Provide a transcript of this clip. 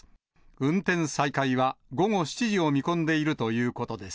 運転再開は午後７時を見込んでいるということです。